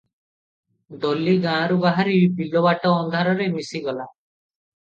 ଡୋଲି ଗାଁରୁ ବାହାରି ବିଲବାଟ ଅନ୍ଧାରରେ ମିଶିଗଲା ।